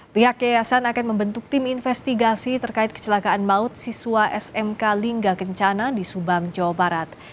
pihak yayasan akan membentuk tim investigasi terkait kecelakaan maut siswa smk lingga kencana di subang jawa barat